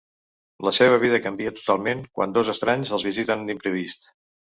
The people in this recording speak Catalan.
La seva vida canvia totalment quan dos estranys els visiten d’imprevist.